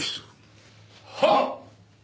はっ！